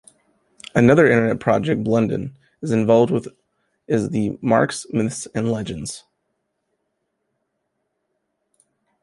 Another internet project Blunden is involved with is the "Marx Myths and Legends".